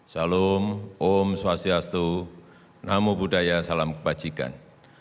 shalom om swastiastu namo buddhaya salam kebajikan